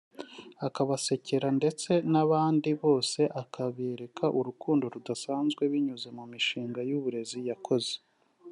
akabasekera ndetse n’abandi bose akabereka urukundo rudasanzwe binyuze mu mishinga y’uburezi yakoze